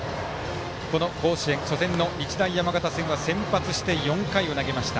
この甲子園初戦の日大山形戦は先発して４回を投げました。